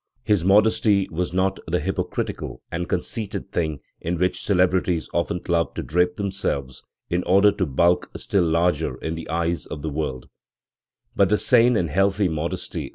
His modesty was not the hypocritical and conceited thing " in which celebrities often love to drape themselves in order to bulk still larger in the eyes of the world, but the sane and healthy modesty that * Forkel, p.